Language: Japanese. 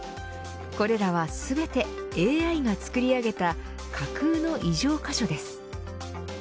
これらは全てＡＩが作り上げた架空の異常箇所です。